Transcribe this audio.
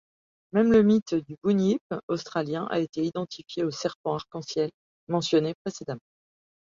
Même le mythe du Bunyip australien a été identifié au serpent arc-en-ciel mentionné précédemment.